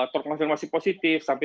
terkonfirmasi positif sampai